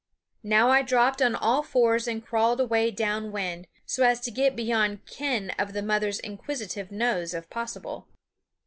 Now I dropped on all fours and crawled away down wind, so as to get beyond ken of the mother's inquisitive nose if possible.